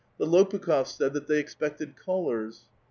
The Lopukh6rs said that they expected callers.